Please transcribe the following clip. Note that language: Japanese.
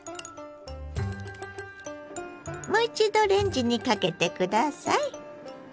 もう一度レンジにかけて下さい。